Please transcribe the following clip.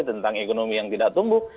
tentang ekonomi yang tidak tumbuh